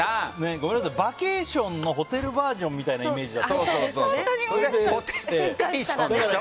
ごめんなさい、バケーションのホテルバージョンみたいなイメージで。